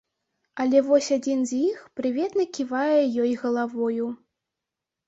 Але вось адзін з іх прыветна ківае ёй галавою.